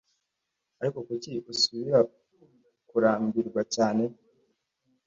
Ariko kuki usubira kurambirwa cyane